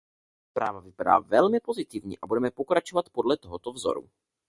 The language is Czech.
Zpráva vypadá velmi pozitivně a budeme pokračovat podle tohoto vzoru.